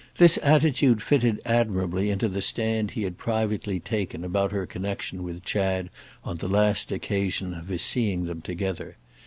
This attitude fitted admirably into the stand he had privately taken about her connexion with Chad on the last occasion of his seeing them together.